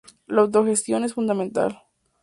La autogestión es fundamental.